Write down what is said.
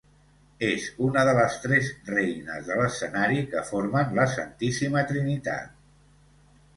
És una de les tres reines de l'escenari que formen la "santíssima trinitat".